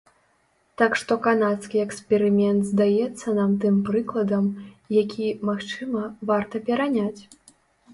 Так што канадскі эксперымент здаецца нам тым прыкладам, які, магчыма, варта пераняць.